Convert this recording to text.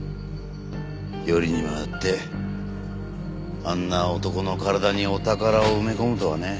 よりにもよってあんな男の体にお宝を埋め込むとはね。